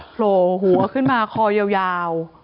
โผล่หัวขึ้นมาคอยาว